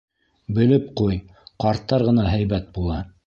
Белеп ҡуй: ҡарттар ғына һәйбәт була.